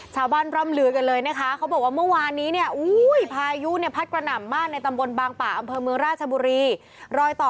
ชาวบ้านเขาเลยบอกแบบนี้แหละพูดเหมือนที่คุณพูดด๊ะเลยว่าโอ้โห